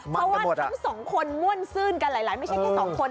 เพราะว่าทั้งสองคนม่วนซื่นกันหลายไม่ใช่แค่สองคน